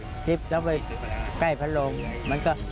หนีบจิ๊บแล้วไปใกล้พัดลงมันก็